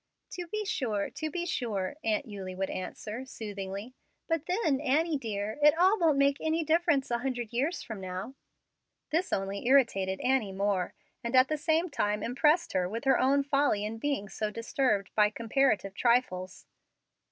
"To be sure to be sure," Aunt Eulie would answer, soothingly; "but then, Annie dear, it all won't make any difference a hundred years from now." This only irritated Annie more, and at the same time impressed her with her own folly in being so disturbed by comparative trifles.